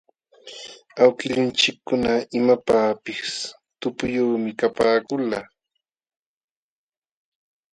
Awkillunchikkuna imapaqpis tupuyuqmi kapaakulqa.